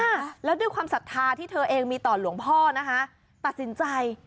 ค่ะแล้วด้วยความศรัทธาที่เธอเองมีต่อหลวงพ่อนะคะตัดสินใจ